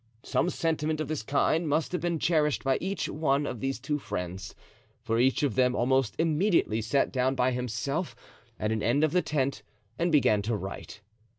Some sentiment of this kind must have been cherished by each one of these two friends, for each of them almost immediately sat down by himself at an end of the tent and began to write.